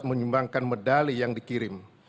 menyumbangkan medali yang dikirim